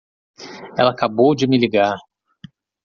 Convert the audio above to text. Ela acabou de me ligar.